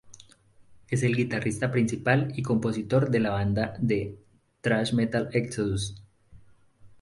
Es el guitarrista principal y compositor de la banda de Thrash Metal Exodus.